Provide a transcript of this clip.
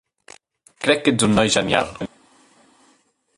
Crec que ets un noi genial.